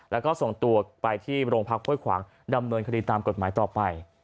แล้วก็ส่งตัวไปที่โรงพักห้วยขวางดำเนินคดีตามกฎหมายต่อไป